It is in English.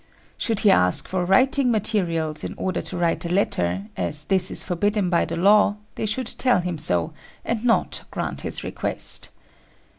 Should he ask for writing materials in order to write a letter, as this is forbidden by the law, they should tell him so, and not grant his request.